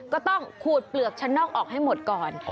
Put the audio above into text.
ก็ต้องขูดเปลือกชั้นนอกออกให้หมดก่อน